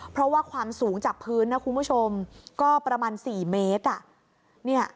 เพราะว่าความสูงจากพื้นนะคุณผู้ชมก็ประมาณ๔เมตร